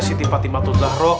siti fatimah tuzlahro